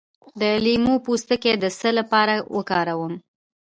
د لیمو پوستکی د څه لپاره وکاروم؟